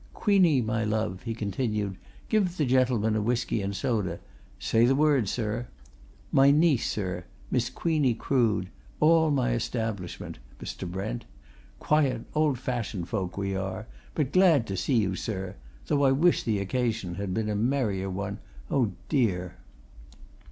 "Queenie, my love," he continued, "give the gentleman a whisky and soda say the word, sir. My niece, sir Miss Queenie Crood all my establishment, Mr. Brent; quiet, old fashioned folk we are, but glad to see you, sir; though I wish the occasion had been a merrier one dear, dear!"